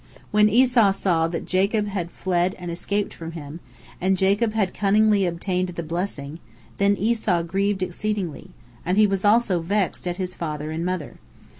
When Esau saw that Jacob had fled and escaped from him, and Jacob had cunningly obtained the blessing, then Esau grieved exceedingly, and he was also vexed at his father and mother.